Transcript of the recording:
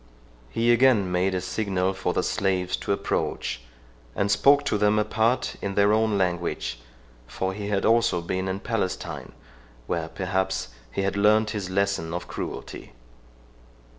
He again made a signal for the slaves to approach, and spoke to them apart, in their own language; for he also had been in Palestine, where perhaps, he had learnt his lesson of cruelty.